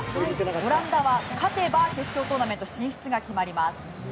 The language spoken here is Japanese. オランダは勝てば決勝トーナメント進出が決まります。